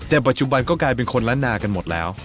แต่ปัจจุบันก็กลายเป็นคนละนากันหมดแล้ว